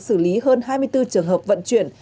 xử lý hơn hai mươi bốn trường hợp vận chuyển